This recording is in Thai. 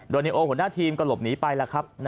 โดยในโอหัวหน้าทีมก็หลบหนีไปแล้วครับ